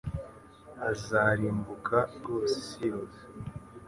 Azarimbuka rwose isi yose